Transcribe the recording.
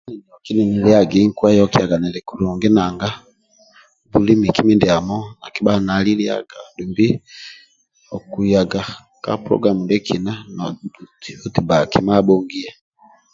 Nini liagi kieyokiaga kulungi nanga miki mindiamo akibhaga nali liaga dumbi nkiyaga ka pologulamu ndiekina eti bba kima abhongia